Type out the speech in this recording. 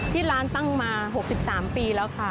ที่ร้านตั้งมา๖๓ปีแล้วค่ะ